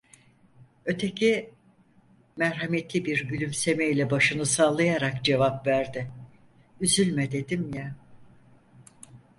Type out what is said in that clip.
Öteki, merhametli bir gülümseme ile başını sallayarak cevap verdi: Üzülme dedim ya!